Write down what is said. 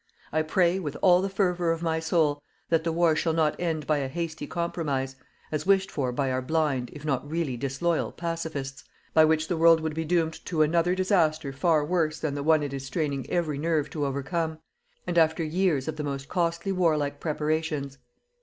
I pray, with all the fervour of my soul, that the war shall not end by a hasty compromise as wished for by our blind, if not really disloyal, pacifists by which the world would be doomed to another disaster far worse than the one it is straining every nerve to overcome, and that after years of the most costly warlike preparations.